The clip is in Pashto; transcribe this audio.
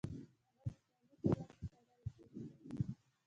هغوی د تعلیم دروازې تړلې پرېښودې.